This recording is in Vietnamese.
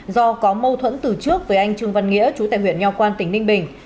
do có mâu thuẫn từ trước với anh trương văn nghĩa trú tại huyện nho quang tỉnh ninh bình